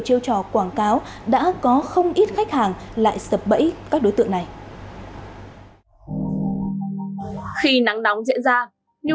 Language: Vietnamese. tiền quảng cáo đã có không ít khách hàng lại sập bẫy các đối tượng này khi nắng nóng diễn ra nhu